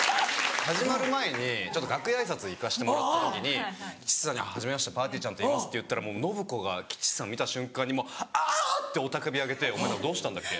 始まる前にちょっと楽屋挨拶行かしてもらった時に吉瀬さんに「はじめましてぱーてぃーちゃんといいます」って言ったらもう信子が吉瀬さん見た瞬間にもう「あぁ！」って雄たけび上げてお前どうしたんだっけ？